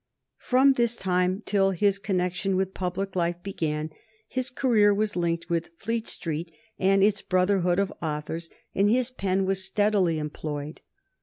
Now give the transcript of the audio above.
From this time until his connection with public life began his career was linked with Fleet Street and its brotherhood of authors, and his pen was steadily employed.